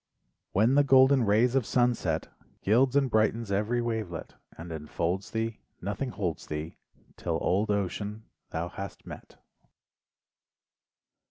When the golden rays of sunset Gilds and brightens every wavelet, And enfolds thee, Nothing holds thee 'Till old ocean thou hast met.